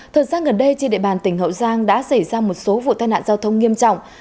thời gian gần đây trên địa bàn tỉnh hậu giang đã xảy ra một số vụ tai nạn giao thông nghiêm trọng